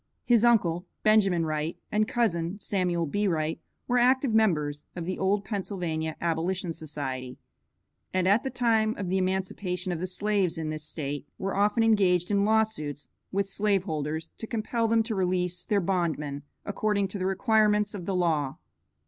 His uncle, Benjamin Wright, and cousin, Samuel B. Wright, were active members of the old Pennsylvania Abolition Society, and at the time of the emancipation of the slaves in this state were often engaged in lawsuits with slave holders to compel them to release their bondmen, according to the requirements of the law.